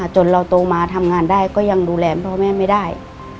จนเราโตมาทำงานได้ก็ยังดูแลพ่อแม่ไม่ได้